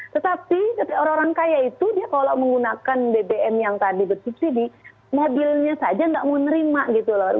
tetapi orang orang kaya itu dia kalau menggunakan bbm yang tadi bersubsidi mobilnya saja tidak menerima gitu loh